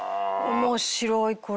面白いこれ。